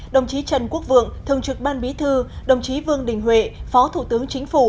đồng chí trần quốc vượng thường trực ban bí thư đồng chí vương đình huệ phó thủ tướng chính phủ